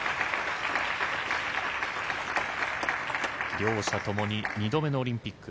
両者ともに２度目のオリンピック。